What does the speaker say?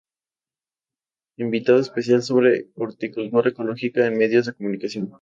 Invitado especial sobre Horticultura ecológica en medios de comunicación.